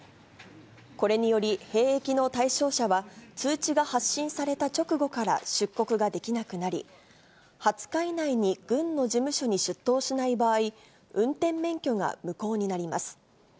これにより、兵役の対象者は通知が発信された直後から出国ができなくなり、２０日以内に軍の事務所に出頭しない場合、運転免許が無効になります。